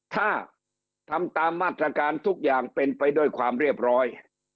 ถ้าทำตามมาตรการทุกอย่างเป็นไปด้วยความเรียบร้อย